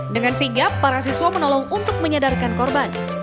dengan sigap para siswa menolong untuk menyadarkan korban